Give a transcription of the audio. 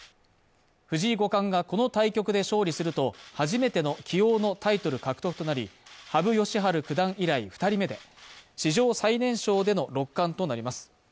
藤井五冠がこの対局で勝利すると初めての棋王のタイトル獲得となり、羽生善治九段以来２人目で史上最年少での六冠となります。